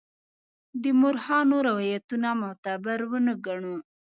د مورخانو روایتونه معتبر ونه ګڼو.